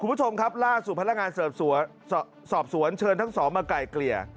คุณผู้ชมครับล่าสู่พลักษณะงานเสริมสวนเชิญทั้งสองมาไก่เกลี่ย